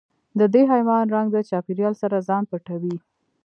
د دې حیوان رنګ د چاپېریال سره ځان پټوي.